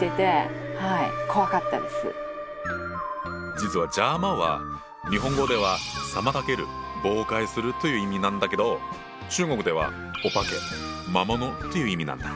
実は「邪魔」は日本語では「妨げる・妨害する」という意味なんだけど中国では「お化け・魔物」という意味なんだ。